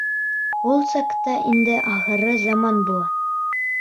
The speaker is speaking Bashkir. — Ул саҡта инде ахыры заман була...